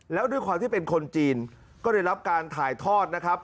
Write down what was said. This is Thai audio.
แล้วด้วยความที่เป็นคนจีนก็ได้รับการถ่ายทอดนะครับ